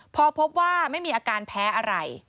พอพบว่าไม่มีอาการแพ้อะไร